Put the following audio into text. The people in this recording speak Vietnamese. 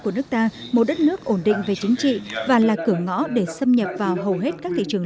của nước ta một đất nước ổn định về chính trị và là cửa ngõ để xâm nhập vào hầu hết các thị trường